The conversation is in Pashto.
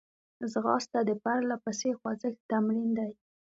ځغاسته د پرلهپسې خوځښت تمرین دی